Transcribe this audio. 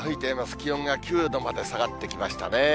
気温が９度まで下がってきましたね。